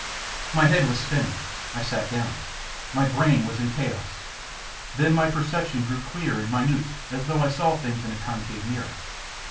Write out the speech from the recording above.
My head was spinning. I sat down. My brain was chaos. Then my perception grew clear and minute as though I saw things in a concave mirror.